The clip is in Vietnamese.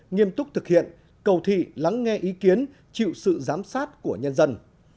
nghiêm túc thực hiện cầu thị lắng nghe ý kiến chịu sự giám sát của nhân dân